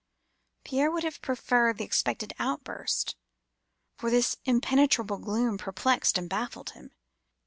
Pierre would have preferred the expected outburst, for this impenetrable gloom perplexed and baffled him.